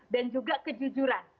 dan juga kejujuran